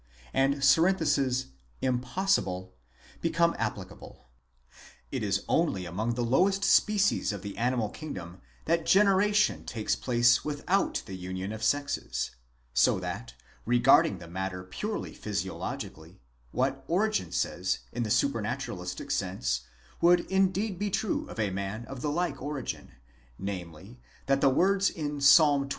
CONCEPTION OF JESUS—ITS SUPERNATURAL 'CHARACTER, 131 only among the lowest species of the animal kingdom that generation takes place without the union of sexes ;3 so that, regarding the matter purely physiologically, what Origen says, in the supranaturalistic sense, would indeed be true of a man of the like origin; namely, that the words in Psalm xxii.